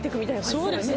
そうですね。